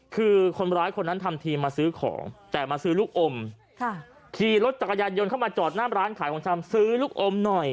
คือคนร้ายคนนั้นทำทีมาซื้อของแต่มาซื้อลูกอมขี่รถจักรยานยนต์เข้ามาจอดหน้ามร้านขายของชำซื้อลูกอมหน่อย